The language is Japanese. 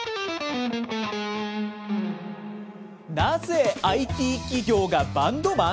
なぜＩＴ企業がバンドマン？